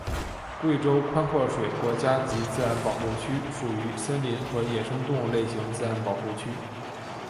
贵州宽阔水国家级自然保护区属于森林和野生动物类型自然保护区。